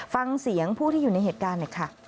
ฟังเสียงผู้ที่อยู่ในเหตุการณ์